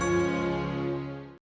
aku berharap bisa